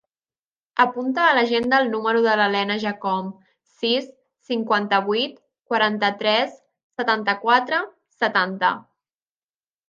Apunta a l'agenda el número de la Lena Jacome: sis, cinquanta-vuit, quaranta-tres, setanta-quatre, setanta.